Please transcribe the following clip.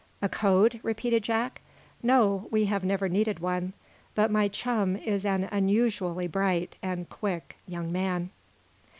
"A code?" repeated Jack. "No; we have never needed one. But my chum is an unusually bright and quick young man."